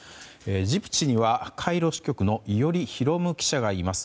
ジブチにはカイロ支局の伊従啓記者がいます。